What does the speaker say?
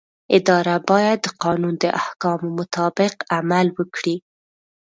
اداره باید د قانون د احکامو مطابق عمل وکړي.